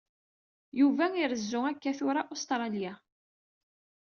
Yuba irezzu akka tura Ustṛalya.